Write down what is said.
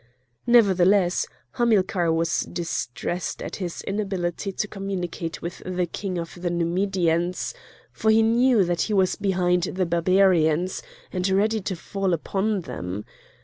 Nevertheless, Hamilcar was distressed at his inability to communicate with the king of the Numidians, for he knew that he was behind the Barbarians, and ready to fall upon them.